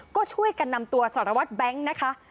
ก็ช่วยกันนำตัวสารวัตรแบงค์นะคะ